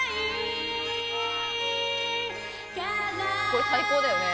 これ最高だよね。